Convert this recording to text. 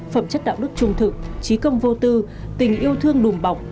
phẩm chất đạo đức trung thực trí công vô tư tình yêu thương đùm bọc